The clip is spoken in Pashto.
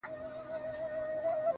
ما درته ویل چي په اغیار اعتبار مه کوه-